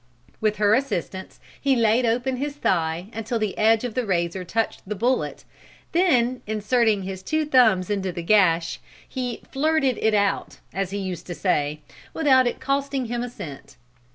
With her assistance he laid open his thigh until the edge of the razor touched the bullet, then, inserting his two thumbs into the gash, 'he flirted it out,' as he used to say, 'without it costing him a cent.'